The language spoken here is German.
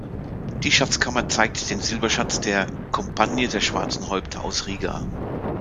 Die Schatzkammer zeigt den Silberschatz der "Compagnie der Schwarzen Häupter aus Riga".